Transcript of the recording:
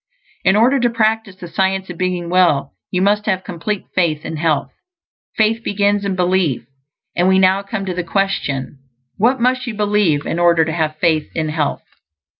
In order to practice the Science of Being Well, you must have complete faith in health. Faith begins in belief; and we now come to the question: _What must you believe in order to have faith in health?